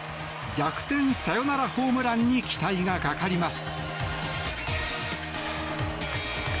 逆転サヨナラホームランに期待がかかります。